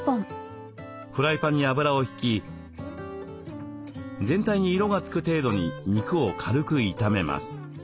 フライパンに油を引き全体に色が付く程度に肉を軽く炒めます。